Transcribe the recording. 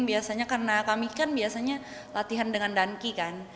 biasanya karena kami kan biasanya latihan dengan danki kan